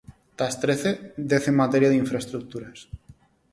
Das trece, dez en materia de infraestruturas.